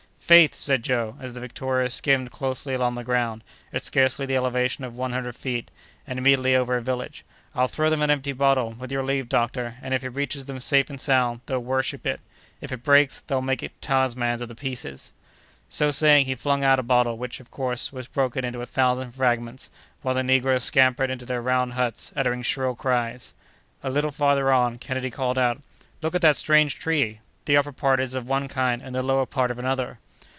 "Faith!" said Joe, as the Victoria skimmed closely along the ground, at scarcely the elevation of one hundred feet, and immediately over a village, "I'll throw them an empty bottle, with your leave, doctor, and if it reaches them safe and sound, they'll worship it; if it breaks, they'll make talismans of the pieces." So saying, he flung out a bottle, which, of course, was broken into a thousand fragments, while the negroes scampered into their round huts, uttering shrill cries. A little farther on, Kennedy called out: "Look at that strange tree! The upper part is of one kind and the lower part of another!"